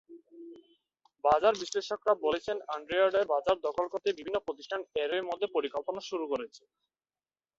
বাজার বিশ্লেষকেরা বলছেন, অ্যান্ড্রয়েডের বাজার দখল করতে বিভিন্ন প্রতিষ্ঠান এরইমধ্যে পরিকল্পনা শুরু করেছে।